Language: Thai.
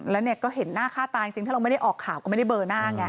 แล้วเนี่ยก็เห็นหน้าค่าตาจริงถ้าเราไม่ได้ออกข่าวก็ไม่ได้เบอร์หน้าไง